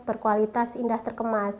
berkualitas indah terkemas